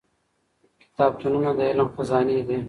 کتابتونونه د علم خزانې دي.